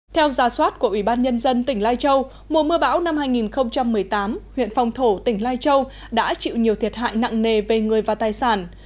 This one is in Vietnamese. theo giả soát của ủy ban nhân dân tỉnh lai châu mùa mưa bão năm hai nghìn một mươi tám huyện phong thổ tỉnh lai châu đã chịu nhiều thiệt hại nặng nề về người và tài sản